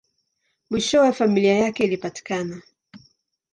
Mwishowe, familia yake ilipatikana.